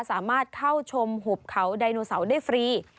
สามารถเข้าชมหุบเขาไดโนเสาร์ได้ฟรี